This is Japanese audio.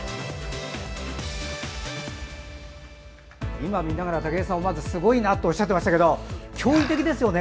今見ながら、武井さんも思わずすごいなとおっしゃってましたけど驚異的ですよね。